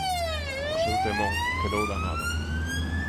O seu temón quedou danado.